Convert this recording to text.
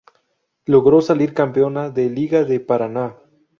Logró salir campeona de Liga de Paraná.